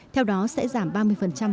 theo đó sẽ giảm ba mươi